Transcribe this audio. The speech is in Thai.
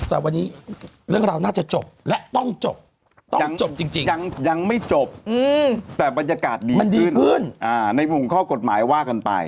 แต่วันนี้เรื่องราวน่าจะจบและต้องจบต้องจบจริงยังไม่จบแต่บรรยากาศดีมันดีขึ้นในมุมข้อกฎหมายว่ากันไป